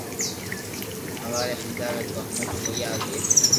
ھواري ھمجاوي تو ھمج ڪوئي آوئي